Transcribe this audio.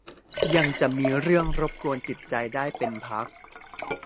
ยังจะมีเรื่องรบกวนจิตใจได้เป็นพัก